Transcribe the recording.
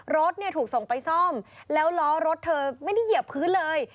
รถเนี่ยถูกส่งไปซ่อมแล้วล้อรถเธอไม่ได้เหยียบพื้นเลย